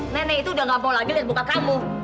nenek itu udah gak mau lagi liat muka kamu